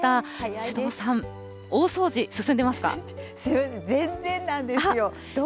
首藤さん、すみません、全然なんですよ。